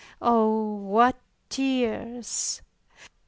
Oh, what tears!